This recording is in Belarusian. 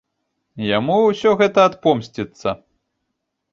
Яму ўсё гэта адпомсціцца.